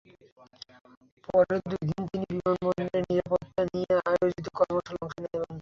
পরের দুই দিন তিনি বিমানবন্দরের নিরাপত্তা নিয়ে আয়োজিত কর্মশালায় অংশ নেবেন।